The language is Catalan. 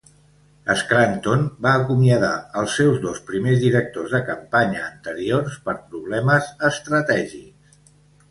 Scranton va acomiadar els seus dos primers directors de campanya anteriors per problemes estratègics.